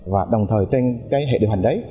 và đồng thời trên hệ điều hành đấy